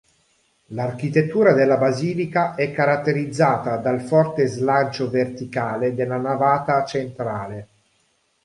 L'architettura della basilica è caratterizzata dal forte slancio verticale della navata centrale.